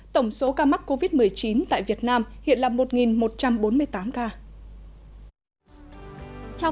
tổng số ca mắc covid một mươi chín tại việt nam hiện là một một trăm bốn mươi tám ca